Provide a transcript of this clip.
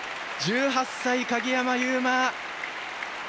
１８歳、鍵山優真。